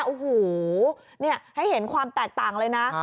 โอ้โหให้เห็นความแตกต่างเลยนะ